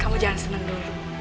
kamu jangan senang dulu